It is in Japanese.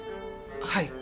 はい。